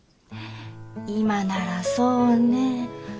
今ならそうねえ。